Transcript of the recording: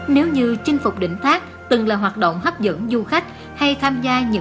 nếu như chinh phục đỉnh thác từng là hoạt động hấp dẫn du khách